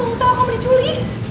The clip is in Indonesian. mau ngetel kamu diculik